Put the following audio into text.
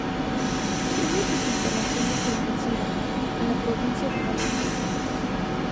Tiene sus instalaciones en Alcira, en la provincia de Valencia.